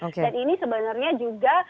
dan ini sebenarnya juga